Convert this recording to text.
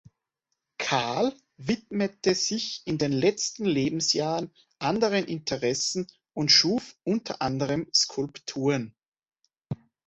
Kahl widmete sich in den letzten Lebensjahren anderen Interessen und schuf unter anderem Skulpturen.